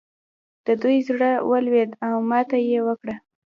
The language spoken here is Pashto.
د دوی زړه ولوېد او ماته یې وکړه.